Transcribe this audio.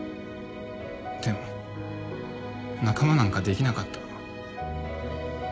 でも仲間なんかできなかった。